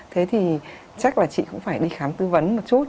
thế thì chắc là chị cũng phải đi khám tư vấn một chút